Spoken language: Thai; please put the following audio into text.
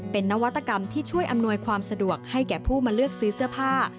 เป็นนวัตกรรมที่ช่วยอำนวยความสะดวกให้แก่ผู้มาเลือกซื้อเสื้อผ้า